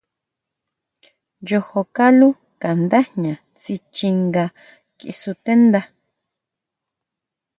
Yojo kalú ka ndá jña tsichi nga kisutendá.